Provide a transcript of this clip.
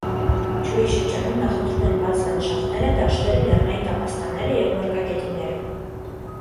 Չուի շրջանում նախընտրում են բաց լանդշաֆտները, դաշտերը, լեռնային տափաստանները և մարգագետինները։